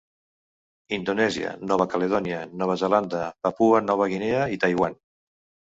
Indonèsia, Nova Caledònia, Nova Zelanda, Papua Nova Guinea i Taiwan.